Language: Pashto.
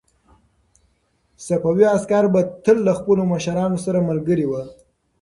صفوي عسکر به تل له خپلو مشرانو سره ملګري ول.